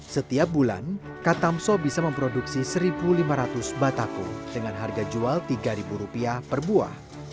setiap bulan katamso bisa memproduksi satu lima ratus batako dengan harga jual rp tiga per buah